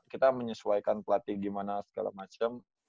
kita menyesuaikan pelatih gimana segala macam